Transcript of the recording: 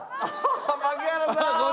槙原さーん！